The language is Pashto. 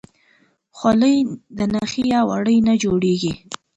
خولۍ د نخي یا وړۍ نه جوړیږي.